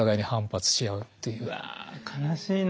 うわ悲しいな。